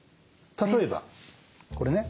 例えばこれね。